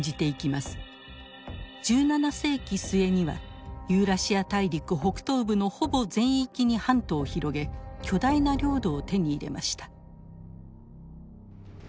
１７世紀末にはユーラシア大陸北東部のほぼ全域に版図を広げ巨大な領土を手に入れました。